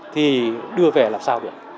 thì đưa về là sao được